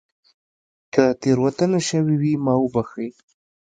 که تېروتنه شوې وي ما وبښئ